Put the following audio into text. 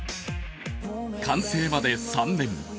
完成まで３年。